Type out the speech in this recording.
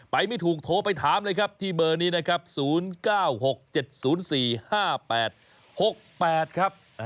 ไม่ถูกโทรไปถามเลยครับที่เบอร์นี้นะครับ๐๙๖๗๐๔๕๘๖๘ครับ